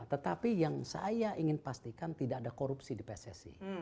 tetapi yang saya ingin pastikan tidak ada korupsi di pssi